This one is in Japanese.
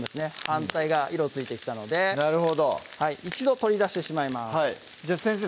反対側色ついてきたのでなるほど一度取り出してしまいます先生